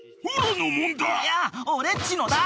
「いや俺っちのだ！」